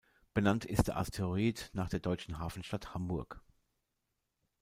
Benannt ist der Asteroid nach der deutschen Hafenstadt Hamburg.